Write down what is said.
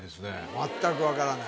全く分からない？